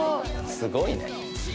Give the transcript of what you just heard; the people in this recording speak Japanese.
すごいね。